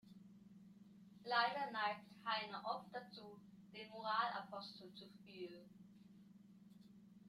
Leider neigt Heiner oft dazu, den Moralapostel zu spielen.